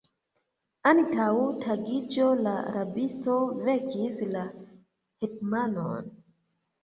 Antaŭ tagiĝo la rabisto vekis la hetmanon.